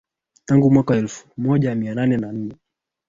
tangu mwaka elfu moja mia nane na nne